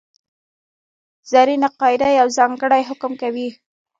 زرینه قاعده یو ځانګړی حکم کوي.